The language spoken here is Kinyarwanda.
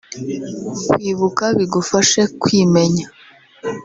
kwibuka bigufashe kwimenya